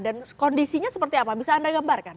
dan kondisinya seperti apa bisa anda gambarkan